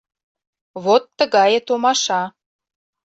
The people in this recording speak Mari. Вот тыгае томаша.